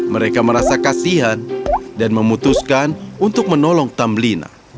mereka merasa kasihan dan memutuskan untuk menolong tambelina